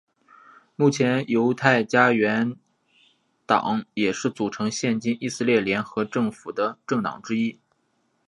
目前犹太家园党也是组成现今以色列联合政府的政党之一。